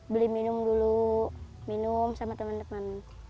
beli minum dulu minum sama teman teman